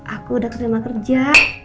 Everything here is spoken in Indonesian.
aku udah terima kerja